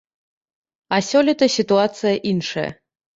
А сёлета сітуацыя іншая.